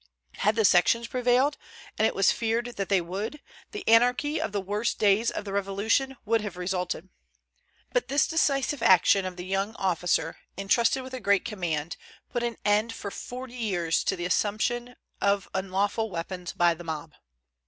Had the sections prevailed, and it was feared that they would, the anarchy of the worst days of the Revolution would have resulted. But this decisive action of the young officer, intrusted with a great command, put an end for forty years to the assumption of unlawful weapons by the mob.